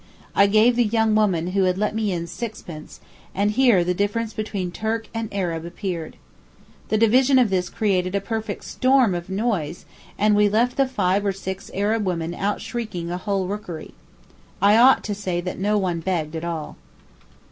I gave the young woman who had led me in sixpence, and here the difference between Turk and Arab appeared. The division of this created a perfect storm of noise, and we left the five or six Arab women out shrieking a whole rookery. I ought to say that no one begged at all.